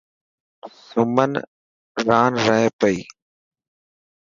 سمن ران رهي پئي.